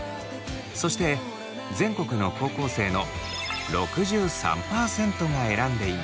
そして全国の高校生の６３％が選んでいます。